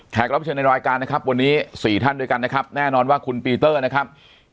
แขกรอบเชิญในรายการวันนี้สี่ท่านด้วยกันนะครับแน่นอนว่าคุณพีเตอร์นะครับ